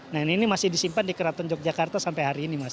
nah ini masih disimpan di keraton yogyakarta sampai hari ini mas